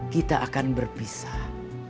kita akan berpisah